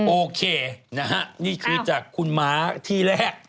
โอเคนะฮะนี่คือจากคุณม้าที่แรก